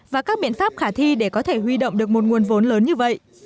và các biện pháp khả thi để có thể huy động được một nguồn vốn lớn như vậy